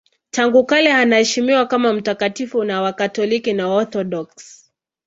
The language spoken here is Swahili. Tangu kale anaheshimiwa kama mtakatifu na Wakatoliki na Waorthodoksi.